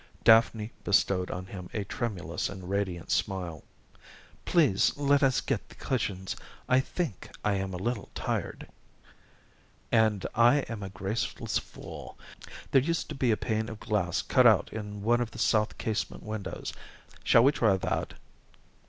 Daphne bestowed on him a tremulous and radiant smile. "Please let us get the cushions. I think I am a little tired." "And I am a graceless fool! There used to be a pane of class cut out in one of the south casement windows. Shall we try that?"